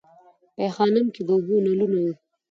په ای خانم کې د اوبو نلونه وو